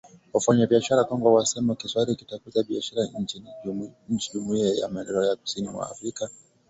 Wafanyabiashara Kongo wasema Kiswahili kitakuza biashara nchi za Jumuiya ya Maendeleo Kusini mwa Afrika